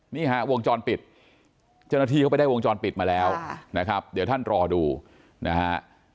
นี่ฮะวงจรปิดเจ้าหน้าที่เขาไปได้วงจรปิดมาแล้วนะครับเดี๋ยวท่านรอดูนะฮะ